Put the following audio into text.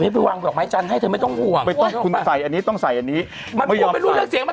เพราะคุณแม่ไปตึกตึกคุณแม่น่ากลัวสุด